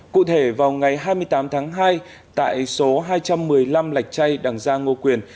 cụ thể vào ngày hai mươi tám tháng hai tại số hai trăm một mươi năm lạch chay đằng giang ngô quyền